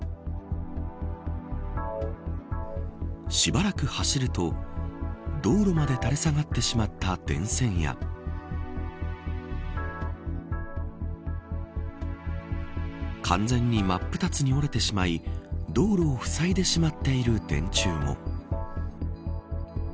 しばらく走ると道路まで垂れ下がってしまった電線や完全に真っ二つに折れてしまい道路をふさいでしまっている電柱も。